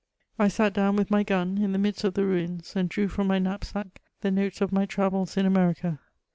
I sat down, with my gun, in the midst of the ruins, and drew from my knapsack the notes of my travels in America.